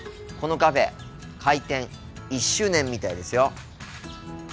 このカフェ開店１周年みたいですよ。